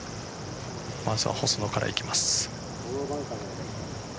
まずは細野からいきます。